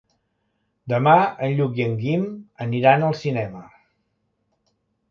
Demà en Lluc i en Guim aniran al cinema.